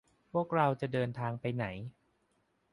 พวกเราจะเดินทางไปไหน